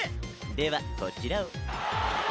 ではこちらを。